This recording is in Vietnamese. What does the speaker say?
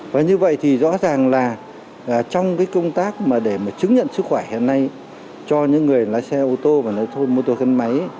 và như vậy thì rõ ràng là trong cái công tác mà để mà chứng nhận sức khỏe hiện nay cho những người lái xe ô tô và lái xe mô tô gắn máy